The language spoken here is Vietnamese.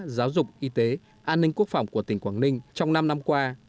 giáo dục y tế an ninh quốc phòng của tỉnh quảng ninh trong năm năm qua